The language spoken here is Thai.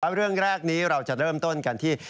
เรื่องแรกนี้เราจะเริ่มต้นกันที่